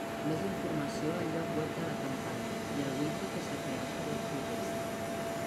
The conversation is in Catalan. Més informació al lloc web de la campanya i al Wiki que s'ha creat per la protesta.